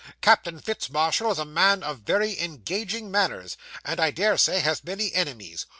Captain Fitz Marshall is a man of very engaging manners, and, I dare say, has many enemies.